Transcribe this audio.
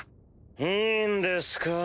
・いいんですか？